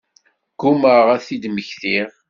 Ggumaɣ ad t-id-mmektiɣ.